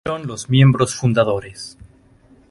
Fueron los miembros fundadores.